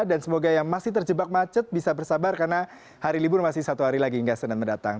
dan semoga yang masih terjebak macet bisa bersabar karena hari libur masih satu hari lagi nggak senang mendatang